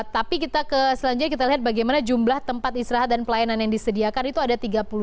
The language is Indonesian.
tapi kita ke selanjutnya kita lihat bagaimana jumlah tempat istirahat dan pelayanan yang disediakan itu ada tiga puluh lima